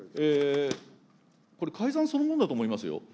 これ、改ざんそのものだと思いま